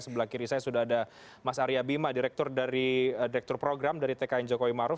sebelah kiri saya sudah ada mas arya bima direktur program dari tkn jokowi maruf